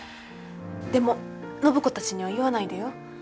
でも暢子たちには言わないでよ。